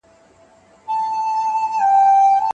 ټول شواهد د څارنوال په وړاندې کېښودل سول.